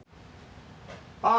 あ。